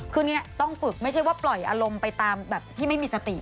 คือเนี่ยต้องฝึกไม่ใช่ว่าปล่อยอารมณ์ไปตามแบบที่ไม่มีสติ